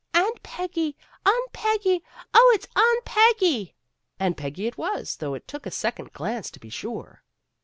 "Aunt Peggy! Aunt Peggy! Oh, it's Aunt Peggy!" And Peggy it was, though it took a second glance to be sure.